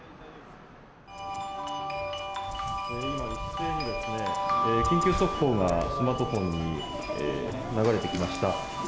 今、一斉に緊急速報がスマートフォンに流れてきました。